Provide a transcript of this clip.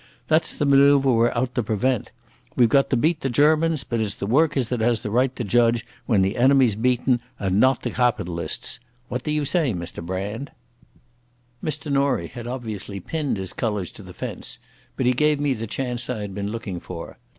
That's the manœuvre we're out to prevent. We've got to beat the Germans, but it's the workers that has the right to judge when the enemy's beaten and not the cawpitalists. What do you say, Mr Brand?" Mr Norie had obviously pinned his colours to the fence, but he gave me the chance I had been looking for.